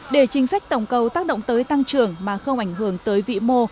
để chính sách tổng cầu tác động tới tăng trưởng mà không ảnh hưởng tới vị mô